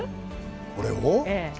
これを？